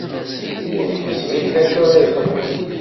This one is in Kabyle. Ur yeẓri ara d acu ara yexdem.